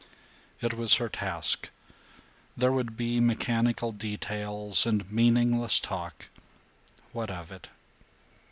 It was her task; there would be mechanical details and meaningless talk; what of it?